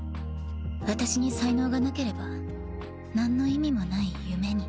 私に才能がなければなんの意味もない夢に。